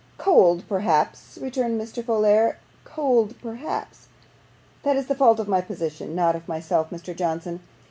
'Cold, perhaps,' returned Mr. Folair; 'cold, perhaps. That is the fault of my position not of myself, Mr. Johnson.